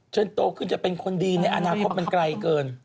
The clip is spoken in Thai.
โตขึ้นจะเป็นคนดีในอนาคตมันไกลเกิน